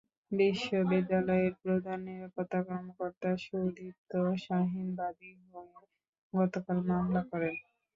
বিশ্ববিদ্যালয়ের প্রধান নিরাপত্তা কর্মকর্তা সুদীপ্ত শাহিন বাদী হয়ে গতকাল মামলা করেন।